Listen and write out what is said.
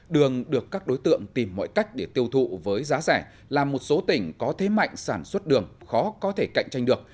đường được các đối tượng tìm mọi cách để tiêu thụ với giá rẻ là một số tỉnh có thế mạnh sản xuất đường khó có thể cạnh tranh được